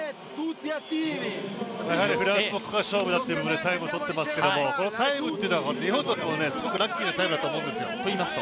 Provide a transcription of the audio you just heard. フランスもここが勝負だということでタイムを取っていますけど、このタイムというのは日本にとってもラッキーなタイムだと思うんですよね。